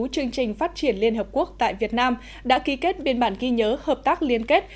chương trình phát triển liên hợp quốc tại việt nam đã ký kết biên bản ghi nhớ hợp tác liên kết